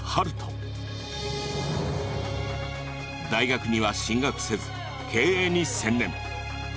大学には進学せず経営に専念。